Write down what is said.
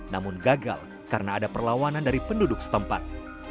namun gagal karena ada perlawanan dari penduduk setempat